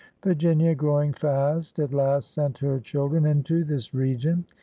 Virginia, growing fast, at last sent her chil dren into this region.